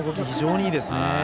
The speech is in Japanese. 非常にいいですね。